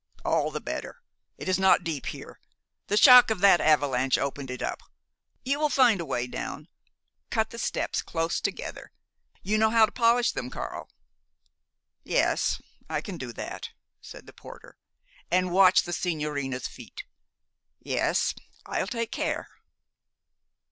"All the better. It is not deep here. The shock of that avalanche opened it up. You will find a way down. Cut the steps close together. You know how to polish them, Karl?" "Yes, I can do that," said the porter. "And watch the sigñorina's feet." "Yes, I'll take care."